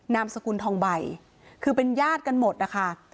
นามสกุลทองใบคือเป็นญาติกันหมดนะคะ